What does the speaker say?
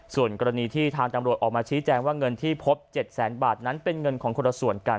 ส่วนกรณีที่ทางตำรวจออกมาชี้แจงว่าเงินที่พบ๗แสนบาทนั้นเป็นเงินของคนละส่วนกัน